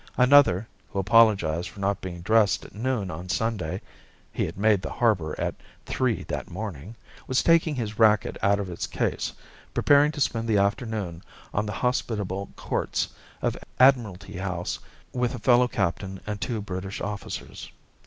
Another, who apologized for not being dressed at noon on Sunday he had made the harbour at three that morning! was taking his racquet out of its case, preparing to spend the afternoon on the hospitable courts of Admiralty House with a fellow captain and two British officers.